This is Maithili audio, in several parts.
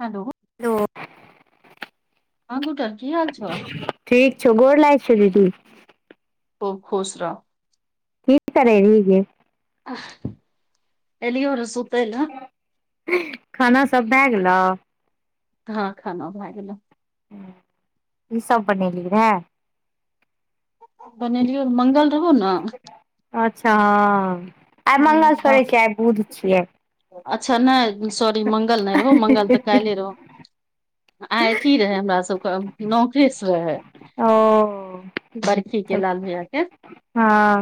हेलो हेलो हँ गूट ठीक छौ गोर लाग छै दीदी खूब खूश रह बीट क्लेरी गै एलियोर सूते ल खाना सब भए गेलो हँ खाना भए गेलै ईसभ बनेलियै रहए बनेलियौ मंगल रहहो न अच्छा हँ आइ मंगल हाँ। छियै आइ बुध छियै अच्छा नहि सॉरी मंगल नहि रह मंगल तऽ काइले रहो आ अथी रहै हमरा सभके नौह केसँ रहै ओ बर्खी के लाल भैया के हँ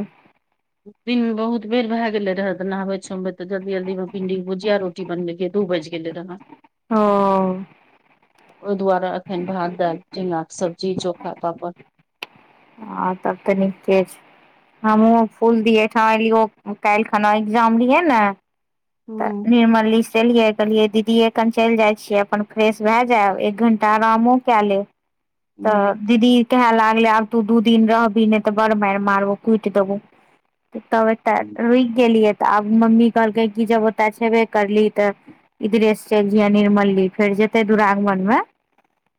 दिनमे बहुत बेर भए गेल रह तऽ नहबे छोमबे तऽ जलदी जल्दीमे भिं्ी भुजिया रोटी बनेलियै दू बाजि गेल रहे ह फेन भात दालि चनाके सब्जी चोखा पापड़ आ तब तऽ निके छै हमहुूँ फूल दियैठाम एलिय ओ काल्हि खना एग्जाम रिहे ने त हूँ निर्मली स ऐलियै कहलियै दीदिए कन चलि जाइ छियै अपन फ्रेश भए जायब एक घण्टा आरामो कए लेब तऽ दीदी कहै लग आब तू दू दिन रहबि नहि तऽ बड़ मारि मारबो कुटि देबौ तबे तऽ हूँ रुकि गेलियै तऽ आब मम्मी कहलकै कि जब ओतय छयबे करली तऽ इधरेसँ चलि जिय निर्मलली फेर जेयतै दुिरागमनमे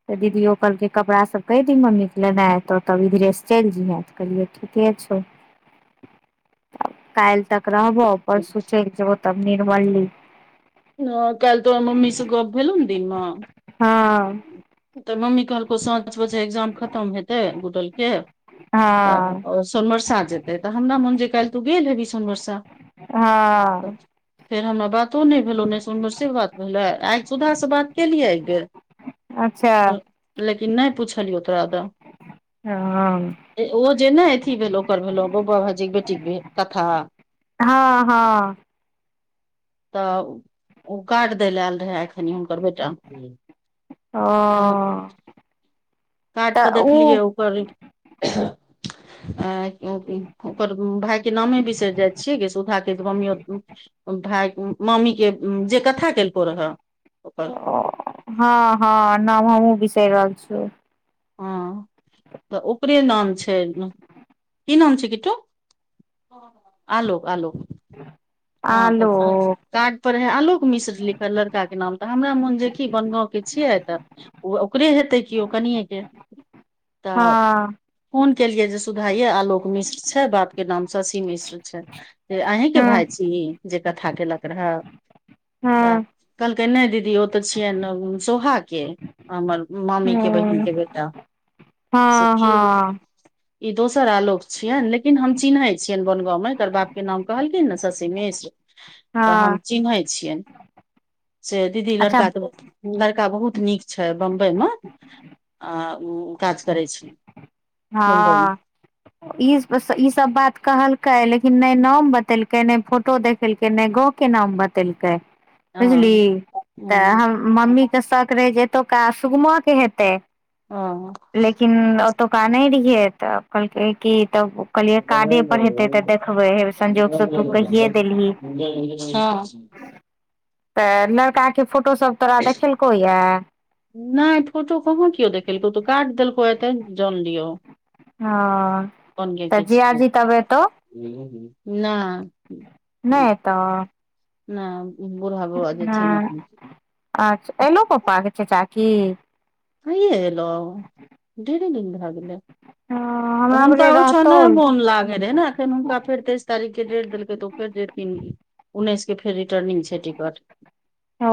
तऽ दीदिओ कहलकै कपड़ा सभ कहि दी मम्मीके लेनाइ तौ तब इधरेसँ चलि जइहे तऽ कहलियै ठीक छओ [inaudible] काल्हि तक रहबो परसोचल जेबो तब निर्मल ली हँ काल्हि तोर मम्मीसँ गप्प भेलहु ने दिनमे हँ तऽ मम्मी कहलकौ साँच बजे एकग्जाम खतम हेतै गुटलके हँ तऽ सोनमरसा जेतै तऽ हमरा मोन जे काल्हि तू गेल हेबी सोनमरसा हँ फेर हमरा बातो नहि भेलो नहि सुन से बात भेले आइ सुधा से बात केलिये आ ग अच्छा कि नहि पुछलियौ तोरा दऽ हँ ओ जे ने अथी भेल ओकर भेलो बौआ भाजीक बेटीके भेल कथा हँ हँ तऽ ओ काट दय लै आयल रहखनि हुनकर बेटा ओ तऽ काट तऽ पर देखलियै उ ओकर अ ओकर भाय के नामे बिसरि जाइ छियै ग सुधा के मम्मी योत भाय मामीे जे कथा केलको रहै ओकर हँ हँ न सहि रहल छियो ह तऽ ओकरे नाम छै की नाम छै किट्टू आलोक आलोक ह [inaudible] ह तऽ कार्ड पर है आलोक मिश्र लिखल लड़का के नाम तऽ हमरा मोन जे कि बनगाँव के छियै तऽ ओ ओकरे हेतै केओ कनिएके तऽ हँ फोन केलिये जे सुधाइये आलोक मिश्र छै बाप के नाम शशि मिश्र छै अहीं के हँ भाय छी जे कथा केलक रहऽ हँ तऽ के नहि दीदी ओ तऽ छियनि सोहा के हमर मामी के बहिन हँ के बेटा से हँ की हँ ई दोसर आलोक छियनि लेकिन हम चिन्है छियनि बनगाँव में एकर बाप के नाम कहलखिन ने शशी मिश्र त हम हँ चिन्है छियन से दीदी अच्छा लड़का तऽ लड़का बहुत नीक छै बम्बई मे आ काज करै छै मुम्बई मे हँ ई ई सब बात कहलकै लेकिन नहि नाम बतेलकै नहि फोटो देखेलकै नहि गाँव के नाम बतेलकै बुझली हँ तऽ हूँ हम मम्मीके शक रहे जे एतुका सुगमे हेतै ह क नहि रहियै तऽ कहलकै की तब कहलियै कार्डे पर हेतै तऽ देखबैे संजोगसँ तू कहिे देलही ह तऽ लड़का के फोटो तोरा देखलको यय नहि फोटो कहाँ किओ देखेलकौ तऽ काट देलकौ एतऽ जान लियौ हँ तऽ जियाजी तब एतौ [inaudible] नहि तऽ नहि बूढ़ा बौआ जेथिन हँ अच्छा एलो पप्पाके चाचा की हइए एलहु डेढ़े दिन भगेलय ह हमरा हन भेलै तऽ ओ छ ने रहतौल मोन लागै रहै ने हुनका फेर तेइस तारीख के देट देलकै तऽ ओ फेर जेथिन उन्नैस के फेर रिटर्निंग छै टिकट ओ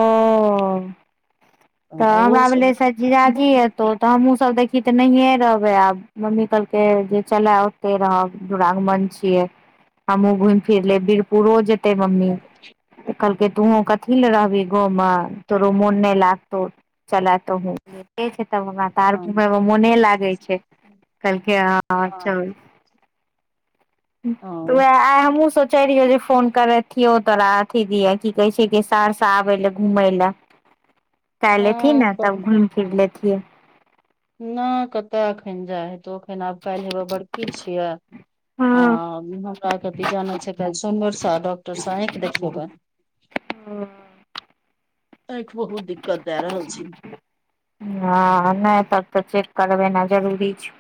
तऽ ओहो हमरा सब भेले शायद जीजा जी एेतौ तऽ हमूँ सब देखी तऽ नहिे रहबे आब मम्मी कहलक जे चल ओते रहब दुरागमन छियै हमू घुमि फिरले बीरपुरो जे एते मम्मी तऽ कहलकै तु कथी लए रहबही गाँव मे तोरो मोन नहि लाग त चला तु हूँ तब हमरा तऽ आर हँ घुम मे मोने लागै छै कहलकै हँ चल तऽ हँ उएह आइ हमहूँ सोचैत रहियै जे फोन करैत कहतियो तोरा अथी दियै की कहै छै सहरसा आबे ल घूमै ल काइल एथिने तब हँ, घूमि फिर लेतिय नहि कतय एखन जाइ हे तू एखन आब काल्हि हेवे बड़खी छियै आ हँ जानै छै फे सोनबरसा डॉक्टर स आँखि देखियेबनि ह आँखि बहुत दिक्कत दए रहल छै हँ नहि तब तऽ चेक करबेना जरूरी छै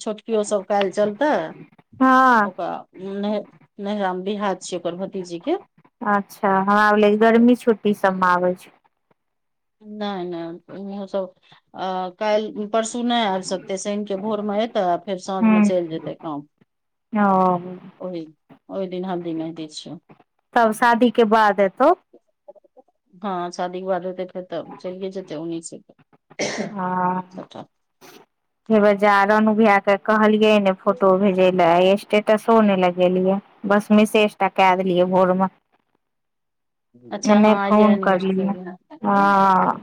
छोटकियो सब काइल चलते हँ ओकरा नहिरा नहिरा मे बियाह छियै ओकर भतीजी के अच्छा हमराै गर्मी छुट्टी सभमे आबै छै नहि नहि ओहो सब अ काइल परसू नहि आइब सकतै शनिके भोरमे एतै आ फेर साँझमे ह चलि जेतै काम ओ पर ओहि ओहि दिन हल्दी मेंहदी छियो तब शादी के बाद एतो हँ शादीे बाद हेतै तऽ चइलिये जेतै ओन्ही से हँ सबटा हे बजारन भईया के कहलियै ने फोटो भेजै लए स्टे स्टेटसो नहि लगेलियै बस विशेष टा क देलियै भोर मे अच्छा हँ नहि आइए फोन एनिवर्सरी करलियै हँ रहै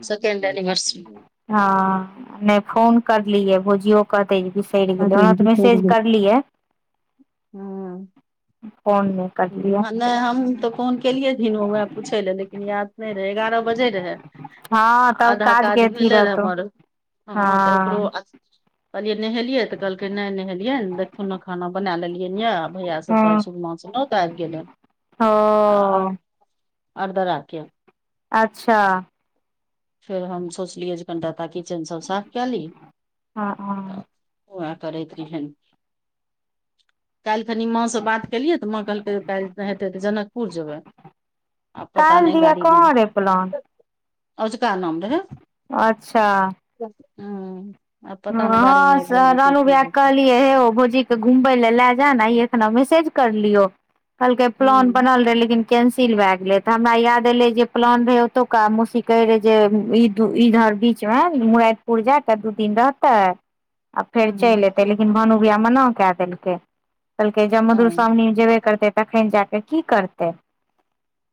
सेकंड एनिवर्सरी हँ नहि फोन करलियै भुजियो क तइ बिसयर हँ गेलिय ओना तऽ मैसेज करलियै हँ फोन नहि करलियै नहि हम तऽ फोन केलियै ओहे पूछे ले लेकिन याद नहि रहे एगारह बजे रहे हँ आ तब आधा काज काजके अथी भेले रहै रहतौ हमर हँ तऽ ओकरो कहलिय नहेलियै तऽ कहलकै नहि नहेलियै देखथुन ने खाना बना लेलियन यै भैया सबके हँ सुुगमा स नोत आबि गेलन आ आ ओ अरदारा के अच्छा फेर हम सोचलियै जे कनिटाता किचनसभ साफ कए ली हँ हँ तऽ उहै करैत रहियन काल्हि खनि माँ सँ बात केलियै तऽ माँ कहलकै काल्हि हेतै तऽ जनकपुर जेबय काल्हि दिया कहाँ रहे प्लान ओजका नाम रहय हूं ह हँ रानु भईया कहलियै हे भौजीे के घुमबय लै लेजै ना आय एकरा मेसेज करलियो कहलकय प्लान हूँ बनल रहै लेकिन कैंसिल भए गेले त हमरा याद एले जे प्लान रहै ओतौका मौसी कहे रहै जे इ दु इ घाट बीच में मुरठ पुर जाक दू दिन रह तै आ फेर चइल अयतै हूँ लेकिन भानु भईया मना कए देलकै कहलकै जब ओ मधुश्रावणीमे जेबे करतै तखन जा कऽ की करतै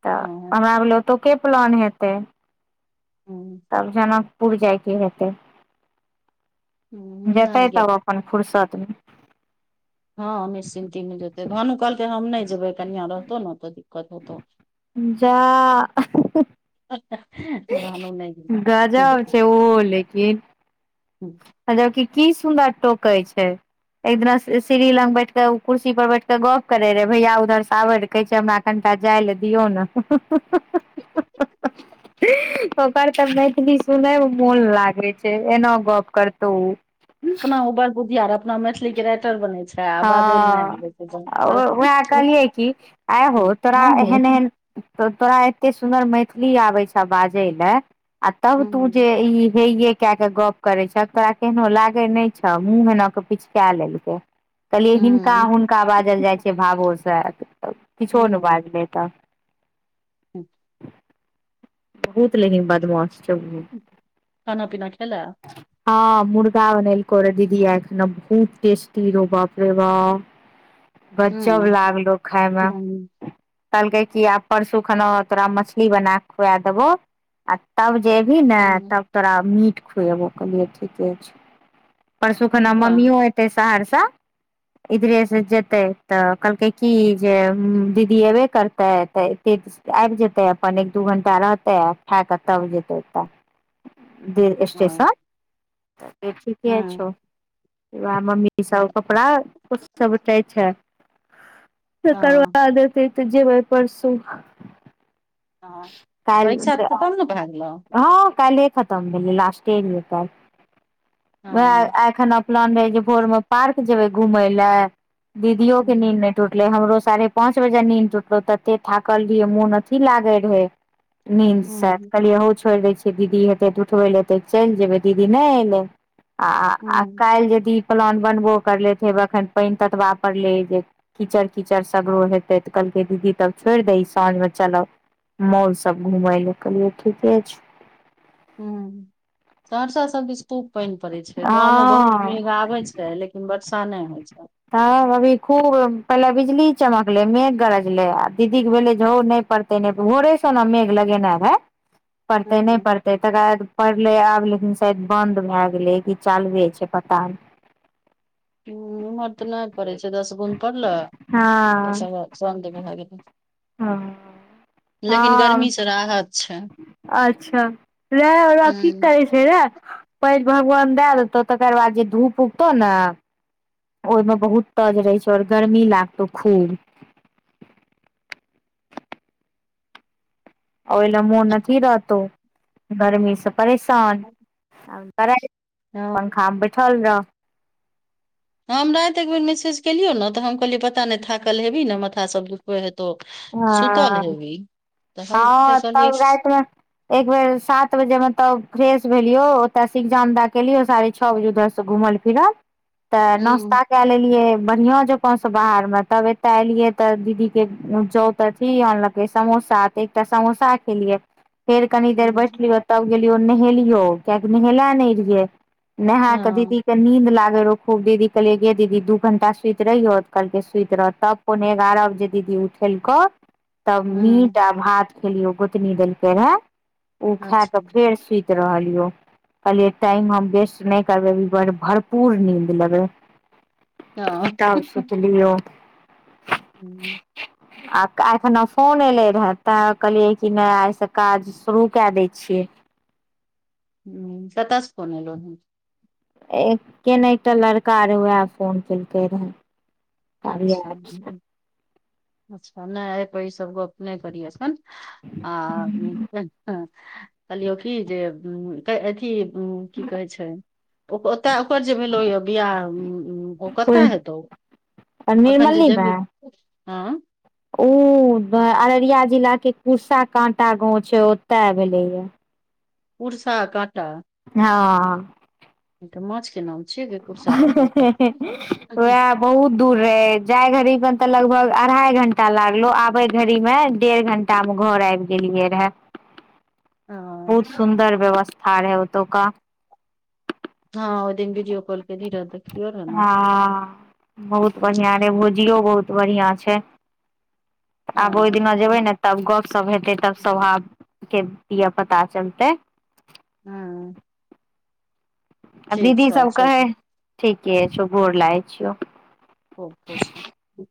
तऽ ओ हूँ आहा आर लै ओतौ के प्लान हेतै तब जनक पुर जाइके हेतै हूँ जेतै नहि गेल तब अपन फुुरसतमे हँ निश्चिन्तितमे जेतै भानू कहलकै हम नहि जेबै कनिआँ रहतौ ने ओत जा भानु नहि गेल गजउब छै ओ लेकिन जब की की सुन्दर टोकै छै एक दिना सीढ़ी लग बैठ क कुर्सी पर बैठ क गप करे रहे भैया उऊधर से आबे रहे कहै छै हमरा कनि जाइ लए दियऔ ने ओकर तऽ मैथिली सुनयमे मोन लागैत छै एना गप करतहु ओ अपना उबर बुधिया अपना मैथिलीके राइटर बनै छै आ बाजय ल हँ नहि आबै छै बहु उएह कहलियै कि आय हो तोरा एहन एहन तोरा एते सुन्दर मैथिली आबे छ बाजे ले आ तब तू जेे कए के गप करै छ तोरा केहनो लागै नहि छौ मुँह हिना क पिचकाए लेलकै कहलियै हिनका हुनका बाजल जाइ छै भावोसँ हूँ किछो नहि हूँ बाजलै तऽ बहुत लेकिन बदमाश छै खाना पीना खेलै हँ मुर्गा बनेल कर दीदी एख ने बहुत टेस्टी रो बाप रे बाप [inaudible] गजब हूँ लागलो खाय मे कहलकै कि आब परसू खन तोरा मछली बना कऽ खुआ देब आ तब जेबही ने हूँ तब तोरा मीट खुएबो कहलियौ ठीके छै परसू खन वाह मम्मिो अयतै सहरसा इधरे से जेतै तऽ कहलकै की जे दीदी अयबे करतै तऽ आबि जेतै अपन एक दू घण्टा रहतै आ खा कऽ तब जेतै तऽ [inaudible] दे हँ स्टेशन त ठीके हँ छौ वएह मम्मी सब कपड़ा किछ सब उटे छै कर हँ आदत तऽ जेब परसु हँ परीक्षा तऽ तब ने भए गेलहु हँ काल्हिे खतम भेलै लास्टे रै काल्हि हँ उ एखन प्लान रहे जे भोर में पार्क जेबे घूमेय ले दीदियो के हूँ नींद ने टूटले हमरो साढ़े पाँच बजे नीन टुटलो तऽ ते थाकल रहियौ मोन अथि लागे रहे नीं सा हूँ कलिय दै छ दीदी हेतै तऽ उठबै लए हेतै चलि जेबै दीदी नहि अयलै आ आ हूँ कालल जदि प्लान बनबो करले ेब अखन पानि ततबा परड़ले जे कीचड़ कीचड़ सगरो हेते तऽ कल दीदी तब छोड़ि दही साँझ मे चलब मॉल सब घुमे ले कहलिै ठीक छै हं परसा सब दिस खूब पानि पड़ै छै गाँवमे बहुत हँ मेघ आबै छै लेकिन वर्षा नहि होइ छै तब अभी खूब पहिले बिजली चमकले मेघ गरजले आ दीदी के भेले झौ न पड़ते नहि भोरे ना मेघ लगेना है हूँ पड़ते नहि पड़ते तकर बाद पड़ले आब लेकिन शायद बन्द भए गेलै क चालूए छै पता नै उमहर तऽ नहि पड़ै छै दस बुंद पड़लै हँ भए गेल हँ लेकिन हँ गर्मीसँ राहत छै अच्छा रह आओर की हूँ करै छै रह पाईन भगवान दए देतौ तकर बाद जे धूप उगतौ ने ओहिमे बहुत तज रहै छै आऔर गर्मी लागतौ खूब ओहि ल मुन अथी रहतो गर्मीसँ परेशान करइ हँ पंखामे बैठल जाउ हम राति एक बेर मैसेज केलियौ ने तऽ हम कहलियै पता नहि थाकल हेबी ने मथासब दुखबै हेतै त सुतल हँ हैभी हँ तब राति मे एक बेर सात बजे मे तब फ्रेश भेलियौ ओतसे इगजाम द के एलियो साढ़े छ बजे उधर से घुमल फिरल तऽ हूँ नाश्ता कए लेलियै बढ़िया जकां सब बाहर में तब एते एलिये तऽ दीदी के जाउत अथी अनलकै समोसा एकटा समोसा खेलियै फेर कनी देर हूँ बैठलियो तब गेलियो नहेलियो कियाकि नहेले नहि रहिये नहा के हँ दीदी के नींद लाग र खूबी कहलियै गे दीदी दू घंटा सुति रहियो तऽ कहलकै सुति रहत तब पोन एगारह बजे दीदी कऽ उठेलको तब हूँ मीट आ भात खेलियो गोतनी देलकै रहे ओ अच्छा खाके फेर सुति रहलियौ कहलियै टाइम हम वेस्ट नहि करबै अभी भरपूर नीन्द लेबै हँ तब सुतलियौ हू आ एखन फोन एलै तऽ कहलियै कि नहि आइसे काज शुरू कए दै छियै ह कतसे फोन एलो के ने एकटा लड़का रहै उएह फोन कैलकै रहै अच्छा अच्छा नहि पै इ सब गप नहि करिय ने आ कहलियौ की जे अथी ह की कहै छै ओतय ओकर जे भेलौ यए बियाह ओ कतय हेतौ आ निरमल्ली मे हाँ ओ अररिया जिलाके उर्सा काँटा गाँव छै ओतय भेलैए उर्सा काँटा हाँ ऽ माछ क नाम छियै गे कुर्सा हे के हे काँटा हे है उएह बहुत दूर ह जाय घड़ी मे ते लगभग अढ़ाई घंटा लागलो आबे घड़ी में डेढ़ घंटा में घर आब गेली गे लिए रहै [inaudible] हँ बहुत सुन्दर व्यवस्था रहै ओतौका हाँ ओ दिन वीडियो कॉल करी रहे हाँ बहुत बढ़ियां रहे भुजियो बहुत बढ़ियां छै आब ओहि हँ दिना जेबै ने तब गपशप हेतै तब स्वभावके धिया पुता चलतै हाँ आ दीदीसब कहै सब ठीके छौ गोर लागै छियौ खुब खुश रह